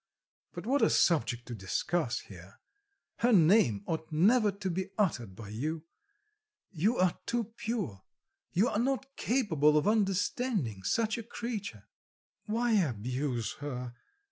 But what a subject to discuss here! Her name ought never to be uttered by you. You are too pure, you are not capable of understanding such a creature." "Why abuse her?"